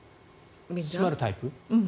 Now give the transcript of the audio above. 閉まるタイプ？